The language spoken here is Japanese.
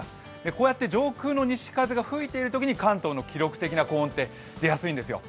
こうやって上空の西風が吹いているときに関東の記録的な高温って出やすいんですよ。